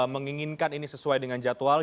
menginginkan ini sesuai dengan jadwal